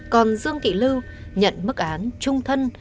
còn dương thị lưu nhận mức án trung thân